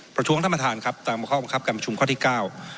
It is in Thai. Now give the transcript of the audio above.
ประท้วงท่านประธานครับตามข้อบังคับการประชุมข้อที่เก้า